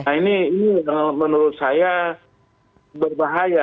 nah ini menurut saya berbahaya